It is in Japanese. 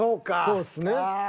そうっすね。